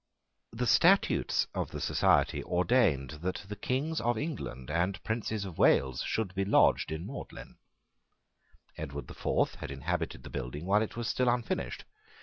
The statutes of the society ordained that the Kings of England and Princes of Wales should be lodged in Magdalene. Edward the Fourth had inhabited the building while it was still unfinished.